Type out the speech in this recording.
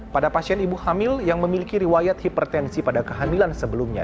pada pasien ibu hamil yang memiliki riwayat hipertensi pada kehamilan sebelumnya